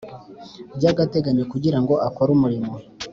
By agateganyo kugira ngo akore umurimo